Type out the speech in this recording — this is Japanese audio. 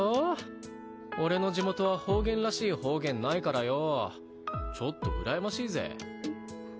俺の地元は方言らしい方言ないからよちょっとうらやましいぜ。